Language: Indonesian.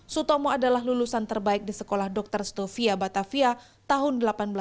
sutomo adalah lulusan terbaik di sekolah dr stovia batavia tahun seribu delapan ratus sembilan puluh